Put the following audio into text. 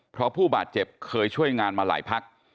เพราะผู้บาดเจ็บเคยช่วยงานมาหลายพัก